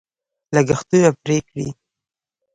لګښتونه پرې کړي.